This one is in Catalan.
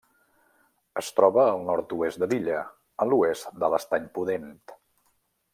Es troba al nord-oest de l'illa, a l'oest de l'Estany Pudent.